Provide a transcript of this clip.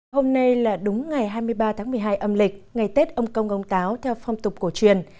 hôm nay là đúng ngày hai mươi ba tháng một mươi hai âm lịch ngày tết ông công ông táo theo phong tục cổ truyền